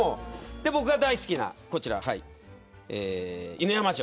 僕が大好きなこちら犬山城。